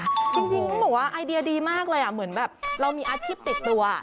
จริงต้องบอกว่าไอเดียดีมากเลยเหมือนแบบเรามีอาชีพติดตัว